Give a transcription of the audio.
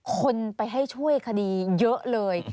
คนไปให้ช่วยคดีเยอะเลย